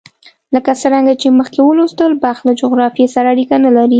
لکه څرنګه چې مخکې ولوستل، بخت له جغرافیې سره اړیکه نه لري.